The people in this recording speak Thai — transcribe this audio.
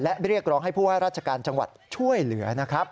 และเรียกร้องให้ผู้ว่าราชการจังหวัดช่วยเหลือนะครับ